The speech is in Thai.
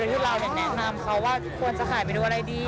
โดยที่เราเนี่ยแนะนำเขาว่าควรจะขายไปดูอะไรดี